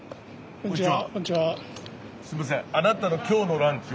こんにちは。